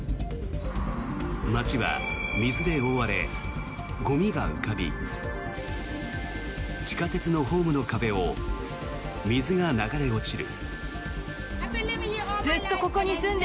街は水で覆われゴミが浮かび地下鉄のホームの壁を水が流れ落ちる。